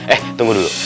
eh tunggu dulu